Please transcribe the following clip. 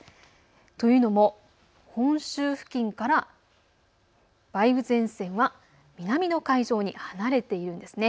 というのも本州付近から梅雨前線は南の海上に離れているんですね。